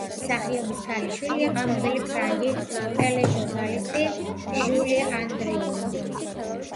მსახიობის ქალიშვილია ცნობილი ფრანგი ტელეჟურნალისტი ჟული ანდრიუ.